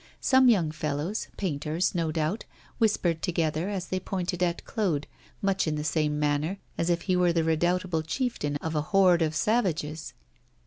Some young fellows, painters, no doubt, whispered together as they pointed at Claude, much in the same manner as if he were the redoubtable chieftain of a horde of savages.